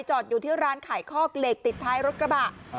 อยู่ที่ร้านขายคอกเหล็กติดท้ายรถกระบะ